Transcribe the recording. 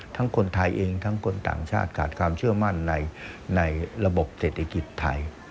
คนไทยเองทั้งคนต่างชาติขาดความเชื่อมั่นในระบบเศรษฐกิจไทย